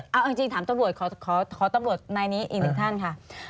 เอาจริงถามตำรวจขอตำรวจนายนี้อีกหนึ่งท่านค่ะ